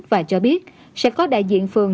và cho biết sẽ có đại diện phường